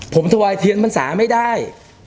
ผมถวายเทียนพรรษาไม่ได้